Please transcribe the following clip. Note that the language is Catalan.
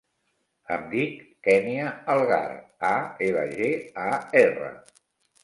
Em dic Kènia Algar: a, ela, ge, a, erra.